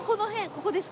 ここです。